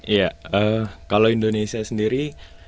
iya kalau indonesia sendiri